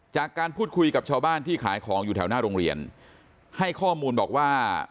จากการพูดคุยกับชาวบ้านที่ขายของอยู่แถวหน้าโรงเรียนให้ข้อมูลบอกว่า